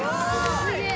すげえ！